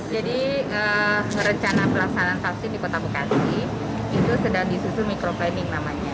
jadi rencana pelaksanaan vaksin di kota bekasi itu sedang disusul mikroplaning namanya